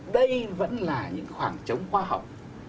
đây vẫn là những khoảng trống khoa học